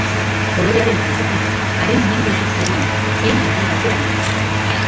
Kolorearen kalitatea haren mendean zegoen, hein handi batean, eta.